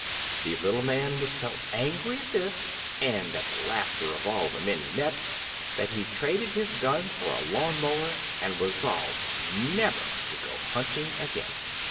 The little man was so angry at this, and at the laughter of all the men he met, that he traded his gun off for a lawn mower, and resolved never to go hunting again.